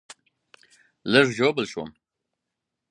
لږ ژوبل شوم